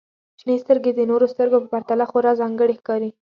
• شنې سترګې د نورو سترګو په پرتله خورا ځانګړې ښکاري.